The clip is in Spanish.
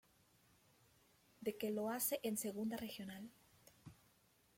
D que lo hace en segunda regional.